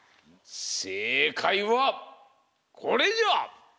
せいかいはこれじゃ！